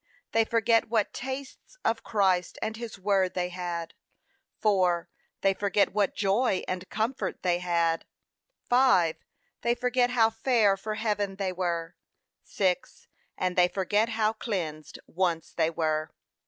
They forget what tastes of Christ and his word they had. 4. They forget what joy and comfort they had. 5. They forget how fair for heaven they were. 6. And they forget how cleansed once they were.